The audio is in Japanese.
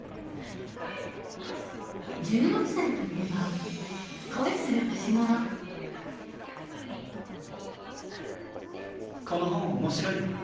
１６歳といえば恋する年頃この本面白いよ。